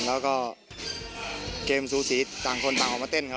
แล้วก็เกมสูสีต่างคนต่างออกมาเต้นครับ